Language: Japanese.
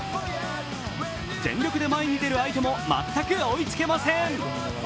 全力で前に出る相手も全く追いつけません。